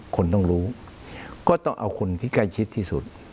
คนต้องรู้ก็ต้องเอาคนที่ใกล้ชิดที่สุด